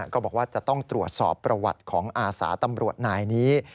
ก็บอกว่าจะต้องตรวจสอบประวัติของอาสาตำรวจนายนี้